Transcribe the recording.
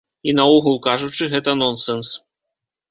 І наогул кажучы, гэта нонсэнс.